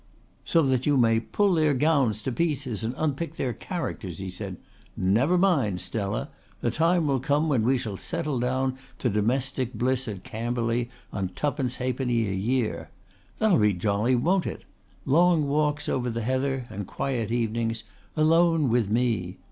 "So that you may pull their gowns to pieces and unpick their characters," he said. "Never mind, Stella! The time'll come when we shall settle down to domestic bliss at Camberley on twopence halfpenny a year. That'll be jolly, won't it? Long walks over the heather and quiet evenings alone with me.